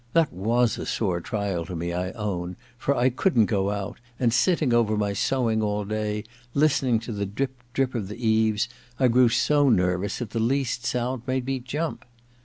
That was a sore trial to me, I own, for I couldn't go out, and sitting over my sewing all day, listening to the drip, drip of the eaves, I grew so nervous that the least sound made me jump.